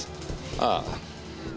ああ。